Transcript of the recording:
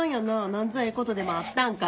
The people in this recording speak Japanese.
なんぞええことでもあったんか？